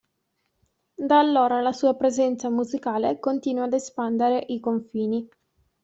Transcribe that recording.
Da allora, la sua presenza musicale continua ad espandere i confini.